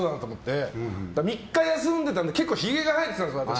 私、３日休んでたんで結構ひげが生えてきてたんですよ。